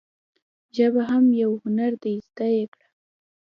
ژبه هم یو هنر دي زده یی کړه.